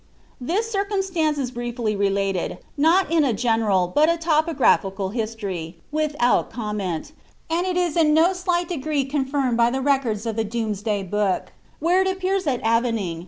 This circumstance is briefly related, not in a general, but a topogra phical history, without comment, and it is in no slight degree confirmed by the recoitls of the Domesday book, where it appears that Avening, 'Chron.